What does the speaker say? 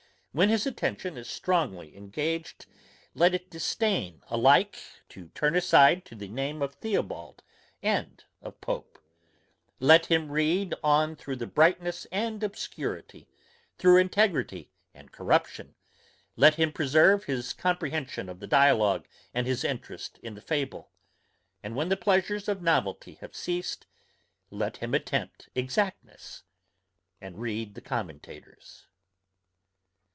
When his attention is strongly engaged, let it disdain alike to turn aside to the name of Theobald and of Pope. Let him read on through brightness and obscurity, through integrity and corruption; let him preserve his comprehension of the dialogue and his interest in the fable. And when the pleasures of novelty have ceased, let him attempt exactness, and read the commentators.